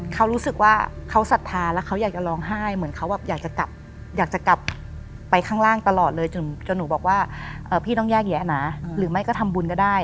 เขารู้สึกว่าเขาศรัทธาแล้วเขาอยากจะร้องไห้เหมือนเขาแบบอยากจะกลับไปข้างล่างตลอดเลยจนหนูบอกว่าพี่ต้องแยกแยะนะหรือไม่ก็ทำบุญก็ได้